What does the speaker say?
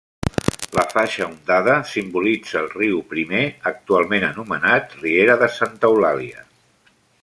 La faixa ondada simbolitza el riu Primer, actualment anomenat riera de Santa Eulàlia.